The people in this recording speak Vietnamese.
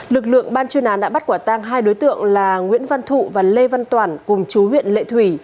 lực lượng ban chuyên án đã bắt quả tang hai đối tượng là nguyễn văn thụ và lê văn toản cùng chú huyện lệ thủy